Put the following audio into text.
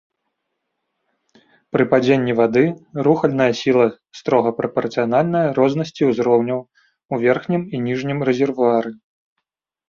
Пры падзенні вады рухальная сіла строга прапарцыянальная рознасці узроўняў у верхнім і ніжнім рэзервуары.